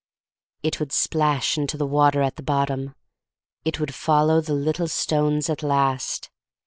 It would splash into the water at the bottom — it would follow the little stones at last.